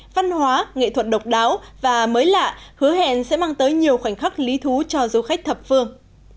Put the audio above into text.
văn hóa nghệ thuật độc đáo và mới lạ hứa hẹn sẽ mang tới nhiều khoảnh khắc lý thú cho du khách thập phương